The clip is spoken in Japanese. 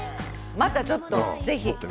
またちょっと是非。